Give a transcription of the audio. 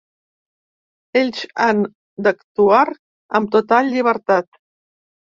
Ells han d’actuar amb total llibertat.